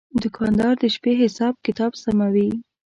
دوکاندار د شپې حساب کتاب سموي.